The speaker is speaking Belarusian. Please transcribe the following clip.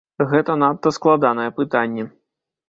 Гэта надта складанае пытанне.